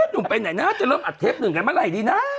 เนธนุ่มไปไหนนะจะเริ่มอัดเทปหนึ่งไงมาไหล่ดีนะ